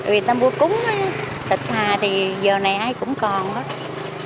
vì ta mua cúng thịt hà thì giờ này ai cũng còn đó